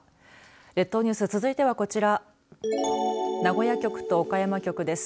列島ニュース、続いてはこちら名古屋局と岡山局です。